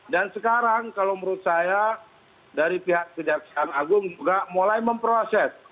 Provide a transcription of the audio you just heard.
dan sekarang kalau menurut saya dari pihak kejaksaan agung juga mulai memproses